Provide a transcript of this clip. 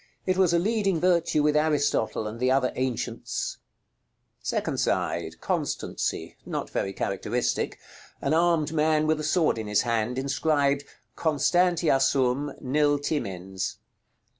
It was a leading virtue with Aristotle and the other ancients. § LXX. Second side. Constancy; not very characteristic. An armed man with a sword in his hand, inscribed, "CONSTANTIA SUM, NIL TIMENS."